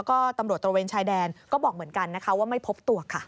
ก็ตำรวจตระเวนชายแดนก็บอกเหมือนกันนะคะว่าไม่พบตัวค่ะ